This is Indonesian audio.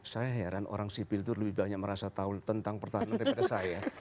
saya heran orang sipil itu lebih banyak merasa tahu tentang pertahanan daripada saya